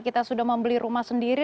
kita sudah membeli rumah sendiri